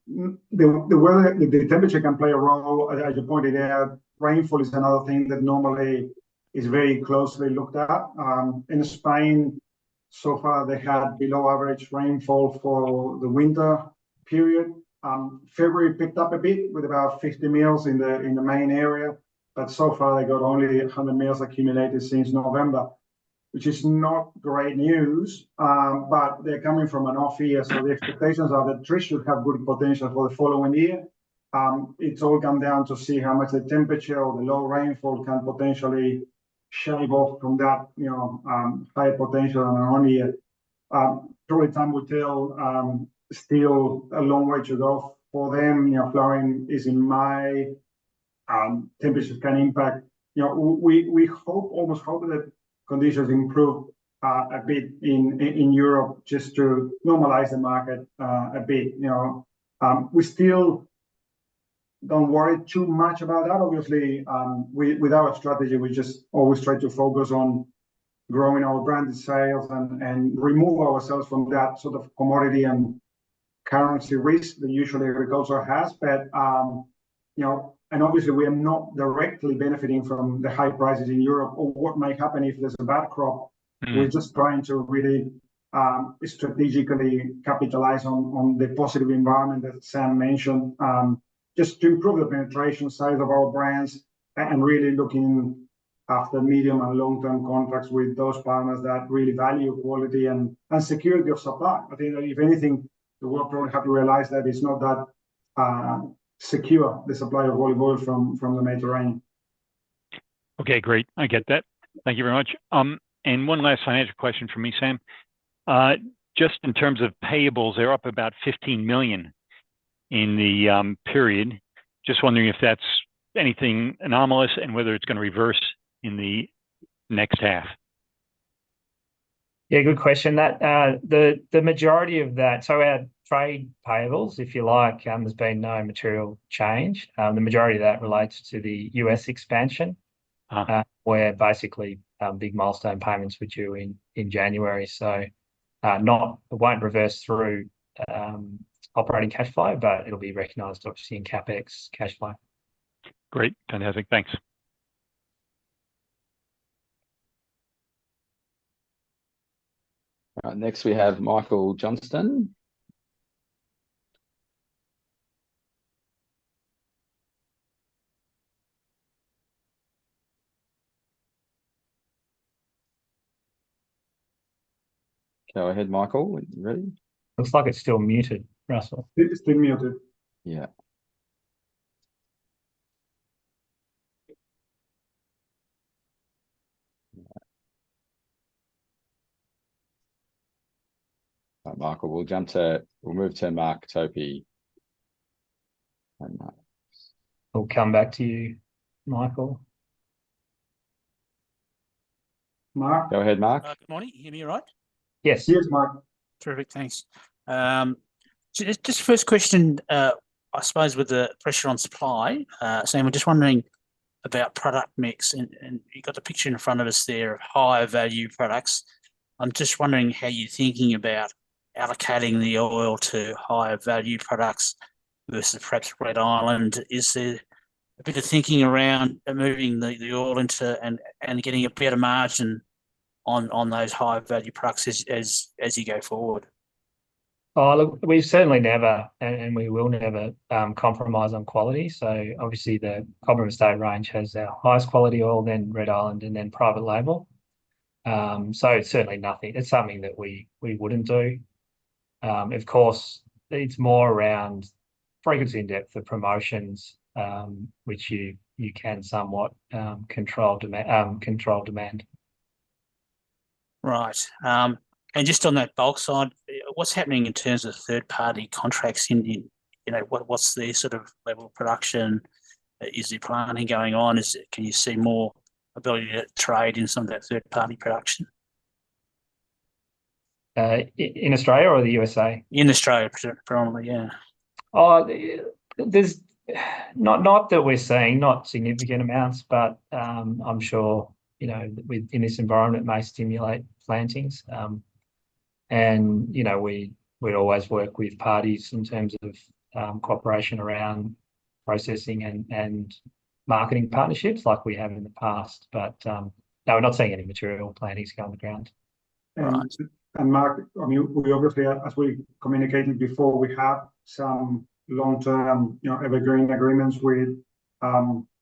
the temperature can play a role. As you pointed out, rainfall is another thing that normally is very closely looked at. In Spain, so far, they had below-average rainfall for the winter period. February picked up a bit with about 50 mm in the main area. But so far, they got only 100 mm accumulated since November, which is not great news. But they're coming from an off year. So the expectations are that trees should have good potential for the following year. It's all come down to see how much the temperature or the low rainfall can potentially shave off from that higher potential in an on-year. Probably time will tell. Still a long way to go for them. Flowering is in May. Temperatures can impact. We almost hope that conditions improve a bit in Europe just to normalize the market a bit. We still don't worry too much about that. Obviously, with our strategy, we just always try to focus on growing our branded sales and remove ourselves from that sort of commodity and currency risk that usually agriculture has. And obviously, we are not directly benefiting from the high prices in Europe or what might happen if there's a bad crop. We're just trying to really strategically capitalize on the positive environment that Sam mentioned just to improve the penetration size of our brands and really looking after medium and long-term contracts with those partners that really value quality and security of supply. I think that if anything, the world probably has to realize that it's not that secure, the supply of olive oil from the Mediterranean. Okay. Great. I get that. Thank you very much. And one last financial question from me, Sam. Just in terms of payables, they're up about 15 million in the period. Just wondering if that's anything anomalous and whether it's going to reverse in the next half. Yeah. Good question. The majority of that, so trade payables, if you like, there's been no material change. The majority of that relates to the U.S. expansion, where basically big milestone payments were due in January. So it won't reverse through operating cash flow, but it'll be recognized, obviously, in CapEx cash flow. Great. Fantastic. Thanks. All right. Next, we have Michael Johnston. Go ahead, Michael. Are you ready? Looks like it's still muted, Russell. It's still muted. Yeah. All right, Michael. We'll move to Mark Topy. We'll come back to you, Michael. Mark? Go ahead, Mark. Good morning. Hear me right? Yes. Yes, Mark. Terrific. Thanks. Just first question, I suppose, with the pressure on supply. Sam, I'm just wondering about product mix. And you've got the picture in front of us there of higher-value products. I'm just wondering how you're thinking about allocating the oil to higher-value products versus perhaps Red Island. Is there a bit of thinking around moving the oil into and getting a better margin on those higher-value products as you go forward? We've certainly never, and we will never, compromise on quality. So obviously, the Cobram Estate Range has our highest quality oil, then Red Island, and then private label. So it's certainly nothing. It's something that we wouldn't do. Of course, it's more around frequency and depth of promotions, which you can somewhat control demand. Right. Just on that bulk side, what's happening in terms of third-party contracts? What's the sort of level of production? Is there planning going on? Can you see more ability to trade in some of that third-party production? In Australia or the U.S.A.? In Australia predominantly, yeah. Not that we're seeing not significant amounts, but I'm sure in this environment, it may stimulate plantings. And we always work with parties in terms of cooperation around processing and marketing partnerships like we have in the past. But no, we're not seeing any material plantings going on the ground. And Mark, I mean, we obviously, as we communicated before, we have some long-term evergreen agreements with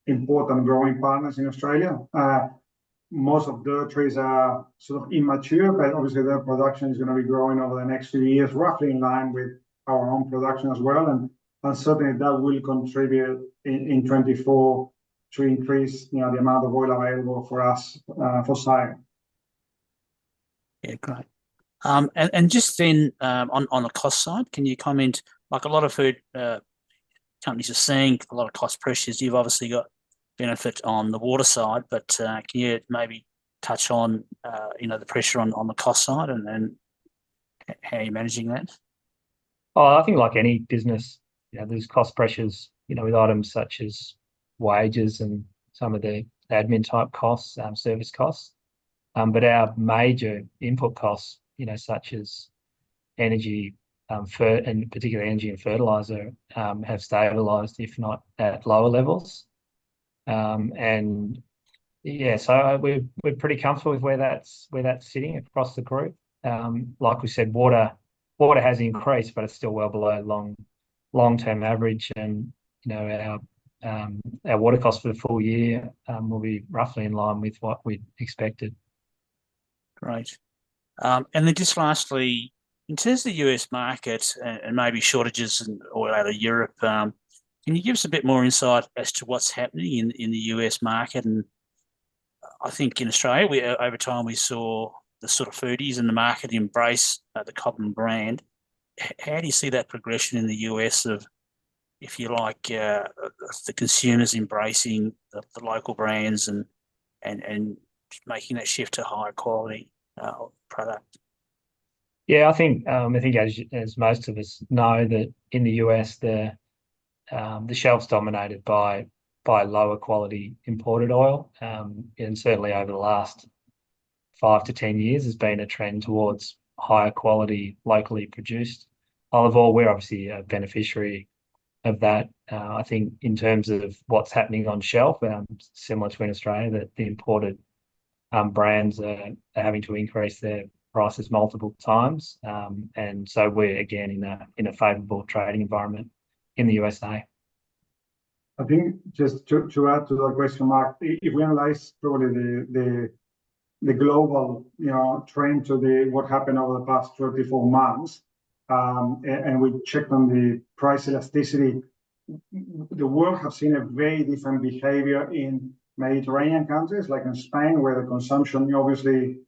important growing partners in Australia. Most of the trees are sort of immature, but obviously, their production is going to be growing over the next few years, roughly in line with our own production as well. And certainly, that will contribute in 2024 to increase the amount of oil available for us for selling. Yeah. Got it. And just then on the cost side, can you comment? A lot of food companies are seeing a lot of cost pressures. You've obviously got benefit on the water side, but can you maybe touch on the pressure on the cost side and how you're managing that? I think like any business, there's cost pressures with items such as wages and some of the admin-type costs, service costs. But our major input costs, such as energy, and particularly energy and fertilizer, have stabilized, if not at lower levels. And yeah, so we're pretty comfortable with where that's sitting across the group. Like we said, water has increased, but it's still well below long-term average. And our water cost for the full year will be roughly in line with what we'd expected. Great. And then just lastly, in terms of the U.S. market and maybe shortages in oil out of Europe, can you give us a bit more insight as to what's happening in the U.S. market? And I think in Australia, over time, we saw the sort of foodies in the market embrace the Cobram brand. How do you see that progression in the U.S. of, if you like, the consumers embracing the local brands and making that shift to higher quality product? Yeah. I think, as most of us know, that in the U.S., the shelf's dominated by lower-quality imported oil. And certainly, over the last 5-10 years, there's been a trend towards higher quality, locally produced. All in all, we're obviously a beneficiary of that. I think in terms of what's happening on shelf, similar to in Australia, that the imported brands are having to increase their prices multiple times. And so we're, again, in a favorable trading environment in the U.S.A. I think just to add to that question, Mark, if we analyze probably the global trend to what happened over the past 24 months and we checked on the price elasticity, the world has seen a very different behavior in Mediterranean countries like in Spain, where the consumption obviously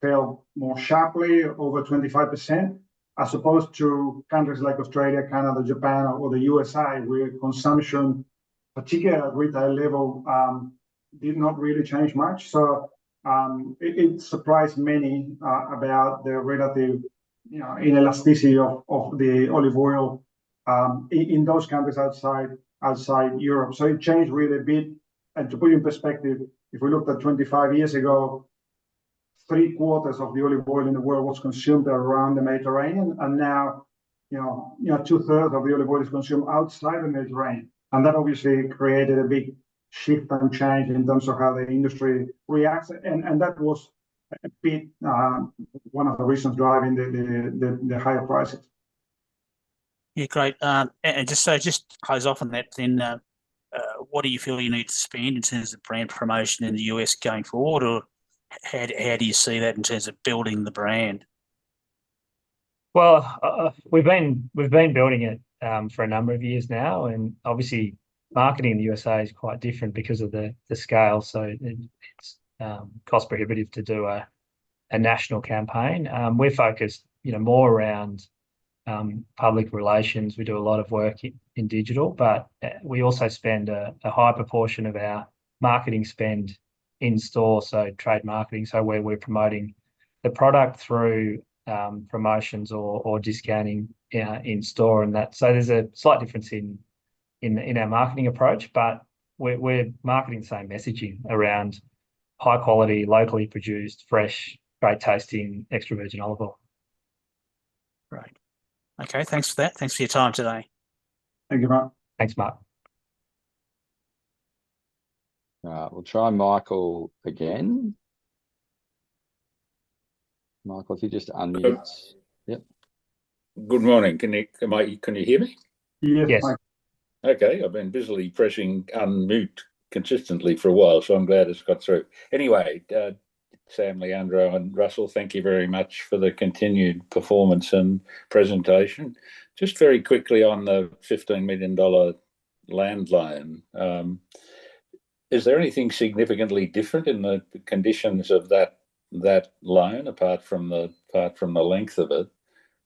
fell more sharply over 25% as opposed to countries like Australia, Canada, Japan, or the U.S.A., where consumption, particularly at retail level, did not really change much. So it surprised many about the relative inelasticity of the olive oil in those countries outside Europe. So it changed really a bit. And to put you in perspective, if we looked at 25 years ago, three-quarters of the olive oil in the world was consumed around the Mediterranean. And now, two-thirds of the olive oil is consumed outside the Mediterranean. That obviously created a big shift and change in terms of how the industry reacts. That was a bit one of the reasons driving the higher prices. Yeah. Great. And just to close off on that, then what do you feel you need to spend in terms of brand promotion in the U.S. going forward, or how do you see that in terms of building the brand? Well, we've been building it for a number of years now. Obviously, marketing in the U.S.A. is quite different because of the scale. So it's cost-prohibitive to do a national campaign. We're focused more around public relations. We do a lot of work in digital. But we also spend a high proportion of our marketing spend in store, so trade marketing, so where we're promoting the product through promotions or discounting in store. So there's a slight difference in our marketing approach, but we're marketing the same messaging around high-quality, locally produced, fresh, great-tasting, extra virgin olive oil. Great. Okay. Thanks for that. Thanks for your time today. Thank you, Mark. Thanks, Mark. We'll try Michael again. Michael, if you just unmute. Yep. Good morning. Can you hear me? Yes. Okay. I've been busily pressing unmute consistently for a while, so I'm glad it's got through. Anyway, Sam, Leandro, and Russell, thank you very much for the continued performance and presentation. Just very quickly on the $15 million land loan, is there anything significantly different in the conditions of that loan apart from the length of it?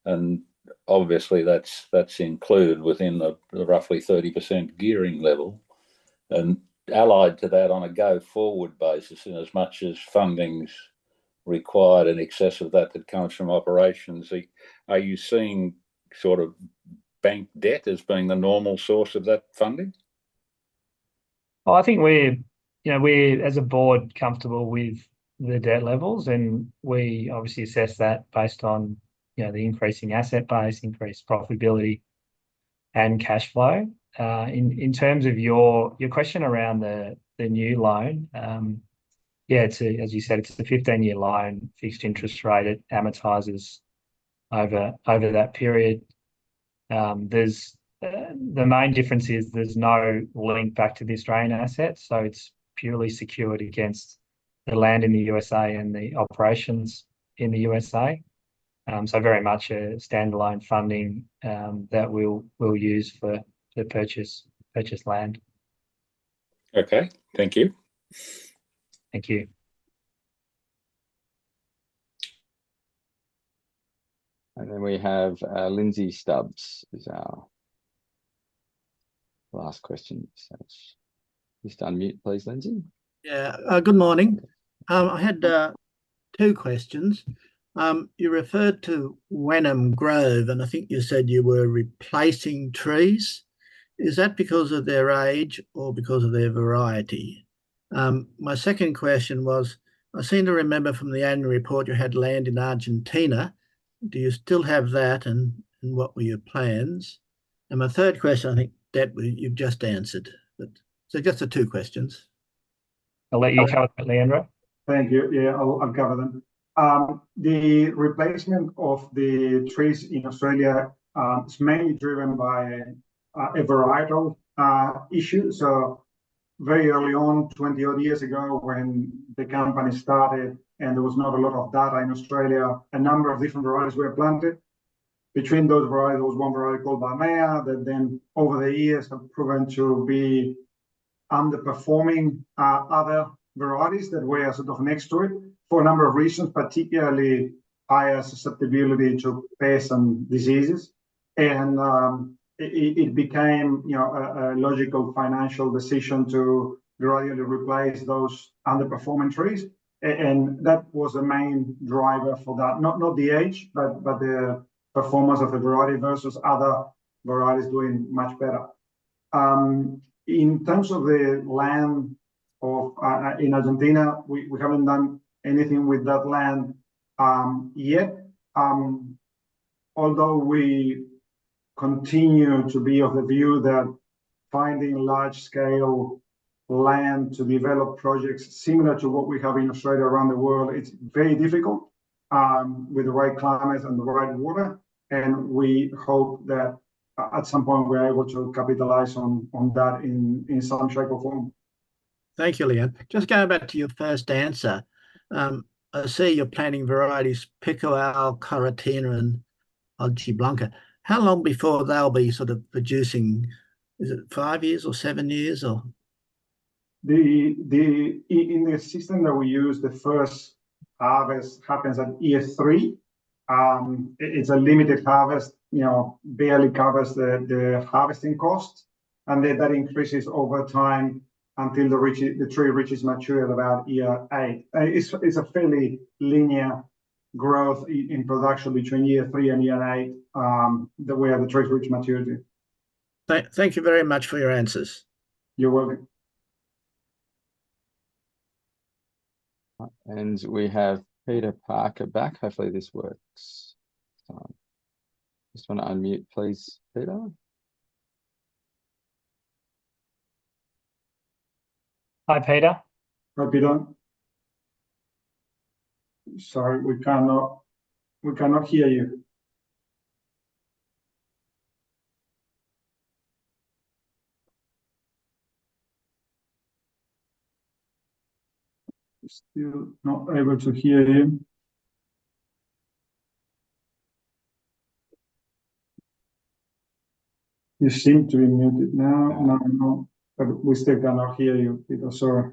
And obviously, that's included within the roughly 30% gearing level. And allied to that, on a go-forward basis, in as much as fundings require and excess of that that comes from operations, are you seeing sort of bank debt as being the normal source of that funding? I think we're, as a board, comfortable with the debt levels. We obviously assess that based on the increasing asset base, increased profitability, and cash flow. In terms of your question around the new loan, yeah, as you said, it's a 15-year loan, fixed interest rate that amortizes over that period. The main difference is there's no link back to the Australian assets. It's purely secured against the land in the USA and the operations in the USA. Very much a standalone funding that we'll use for the purchase land. Okay. Thank you. Thank you. And then we have Lindsay Stubbs as our last question. Just unmute, please, Lindsay. Yeah. Good morning. I had two questions. You referred to Wemen Grove, and I think you said you were replacing trees. Is that because of their age or because of their variety? My second question was, I seem to remember from the annual report you had land in Argentina. Do you still have that, and what were your plans? And my third question, I think Deb, you've just answered. So just the two questions. I'll let you cover that, Leandro. Thank you. Yeah, I'll cover them. The replacement of the trees in Australia is mainly driven by a varietal issue. So very early on, 20-odd years ago, when the company started and there was not a lot of data in Australia, a number of different varieties were planted. Between those varieties, there was one variety called Barnea that then, over the years, has proven to be underperforming other varieties that were sort of next to it for a number of reasons, particularly higher susceptibility to pests and diseases. And it became a logical financial decision to gradually replace those underperforming trees. And that was the main driver for that, not the age, but the performance of the variety versus other varieties doing much better. In terms of the land in Argentina, we haven't done anything with that land yet. Although we continue to be of the view that finding large-scale land to develop projects similar to what we have in Australia around the world, it's very difficult with the right climates and the right water. We hope that at some point, we're able to capitalize on that in some shape or form. Thank you, Leandro. Just going back to your first answer. I see you're planting varieties Picual, Coratina, and Hojiblanca. How long before they'll be sort of producing? Is it 5 years or 7 years, or? In the system that we use, the first harvest happens at year three. It's a limited harvest, barely covers the harvesting cost. Then that increases over time until the tree reaches maturity at about year eight. It's a fairly linear growth in production between year three and year eight where the trees reach maturity. Thank you very much for your answers. You're welcome. We have Peter Parker back. Hopefully, this works. Just want to unmute, please, Peter. Hi, Peter. Hi, Peter. Sorry, we cannot hear you. Still not able to hear you. You seem to be muted now. No, no. But we still cannot hear you, Peter. Sorry.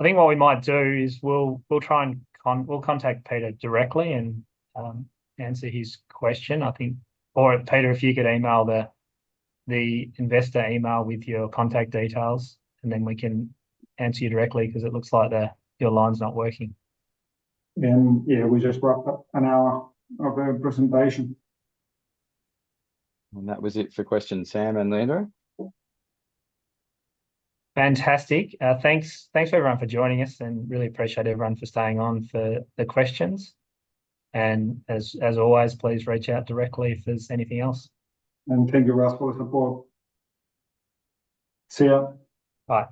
I think what we might do is we'll try and we'll contact Peter directly and answer his question, I think. Or Peter, if you could email the investor email with your contact details, and then we can answer you directly because it looks like your line's not working. Yeah, we just wrapped up an hour of presentation. That was it for questions, Sam and Leandro. Fantastic. Thanks, everyone, for joining us. Really appreciate everyone for staying on for the questions. As always, please reach out directly if there's anything else. Thank you, Russell, for the support. See you. Bye.